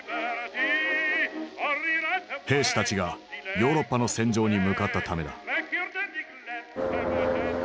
兵士たちがヨーロッパの戦場に向かったためだ。